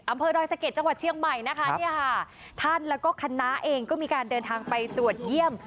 อำเภอดอยสะเก็ดจังหวัดเชียงใหม่นะคะเนี่ยค่ะท่านแล้วก็คณะเองก็มีการเดินทางไปตรวจเยี่ยม